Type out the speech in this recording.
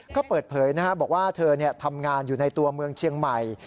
ก็เปิดเผยบอกว่าเธอทำงานอยู่ในตัวเมืองเชียงใหม่